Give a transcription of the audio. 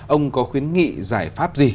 ông có khuyến nghị giải pháp gì